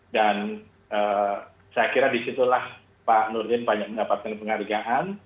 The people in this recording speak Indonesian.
dan saya kira disitulah pak nurin banyak mendapatkan penghargaan